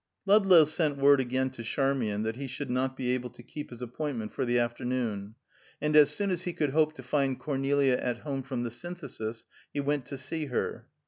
Ludlow sent word again to Charmian that he should not be able to keep his appointment for the afternoon, and as soon as he could hope to find Cornelia at home from the Synthesis, he went to see her.